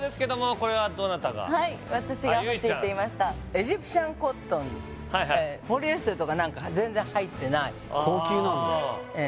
エジプシャンコットンはいはいポリエステルとか何か全然入ってない高級なんだええ